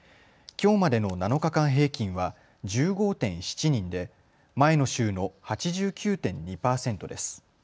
きょうまでの７日間平均は１５．７人で前の週の８９．２％です。